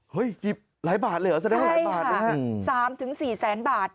เฮ้ยหลายบาทเหรอแสดงว่าหลายบาทใช่ค่ะ๓๔แสนบาท